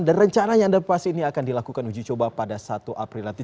dan rencananya andar pas ini akan dilakukan uji coba pada satu april nanti